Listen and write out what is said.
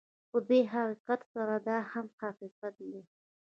خو دې حقیقت سره دا هم حقیقت دی